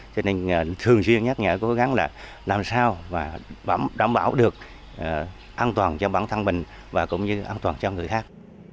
cho nên thường xuyên nhắc nhở cố gắng là làm sao đảm bảo được an toàn cho bản thân mình và cũng như an toàn cho người khác